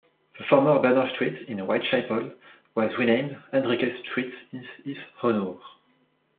The former Berner Street in Whitechapel was renamed Henriques Street in his honour.